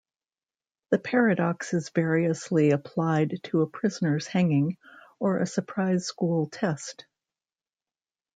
The paradox is variously applied to a prisoner's hanging, or a surprise school test.